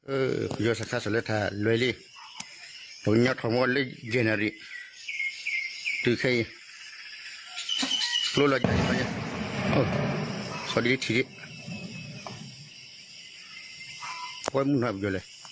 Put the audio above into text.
เอากลับมาปั้นดูหน่อย